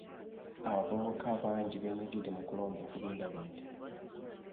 Abavubuka bangi beenyigidde mu kulonda okubindabinda.